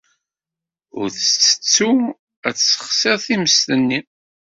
Ur ttettu ad tessexsiḍ times-nni.